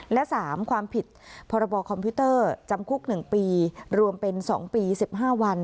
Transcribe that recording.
และ๓ความผิดพรบคอมพิวเตอร์จำคุก๑ปีรวมเป็น๒ปี๑๕วัน